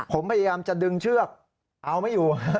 ผมพยายามจะดึงเชือกเอาไม่อยู่